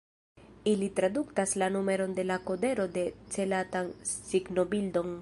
Ili tradukas la numeron de la kodero en celatan signobildon.